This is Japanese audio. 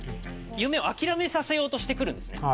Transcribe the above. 夢を諦めさせようとしてくるんです。